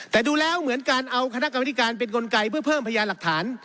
แต่ดูแล้วเหมือนการเอาคณะกรรมธิการเป็นกลไกเพื่อเพิ่มพยานหลักฐาน